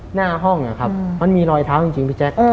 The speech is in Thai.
หน้าห้องนะครับมันมีรอยเท้าจริงพี่แจ๊ค